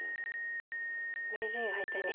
名人相手に。